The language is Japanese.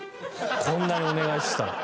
こんなにお願いしたら。